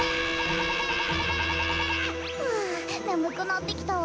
ふわねむくなってきたわ。